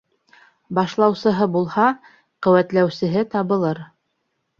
Башлаусыһы булһа, ҡеүәтләүсеһе табылыр.